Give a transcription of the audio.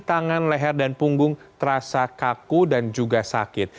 tangan leher dan punggung terasa kaku dan juga sakit